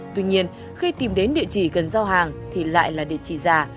tuy nhiên khi tìm đến địa chỉ cần giao hàng thì lại là địa chỉ giả